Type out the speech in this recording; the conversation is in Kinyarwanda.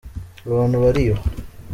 abantu bariba.